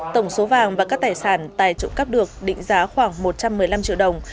tổng số vàng và các tài sản tài trụ cắp được định giá khoảng một trăm một mươi năm triệu đồng